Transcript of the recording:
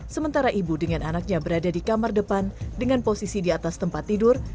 sementara ibu dengan anaknya berada di kamar depan dengan posisi di atas tempat tidur